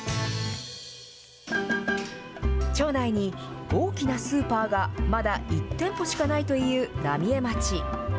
町内に大きなスーパーがまだ１店舗しかないという浪江町。